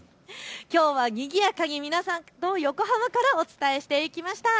きょうはにぎやかに皆さんと横浜からお伝えしていきました。